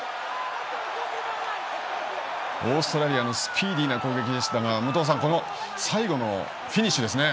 オーストラリアのスピーディーな攻撃でしたが武藤さん、この最後のフィニッシュですね。